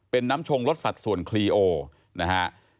เป็นน้ำชงรสสัตว์ส่วนคลีโอนะครับ